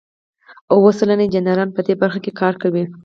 اوه سلنه انجینران په دې برخه کې کار کوي.